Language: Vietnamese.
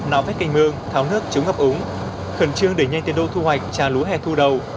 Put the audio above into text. nạo vét cành mương tháo nước chứng ngập ứng khẩn trương để nhanh tiến đô thu hoạch trà lúa hè thu đầu